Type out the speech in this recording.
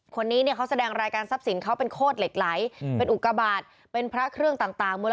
คนนี้เนี่ยเขาแสดงรายการทรัพย์สินเขาเป็นโคตรเหล็กไหลเป็นอุกบาทเป็นพระเครื่องต่าง